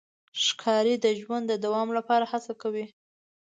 ښکاري د ژوند د دوام لپاره هڅه کوي.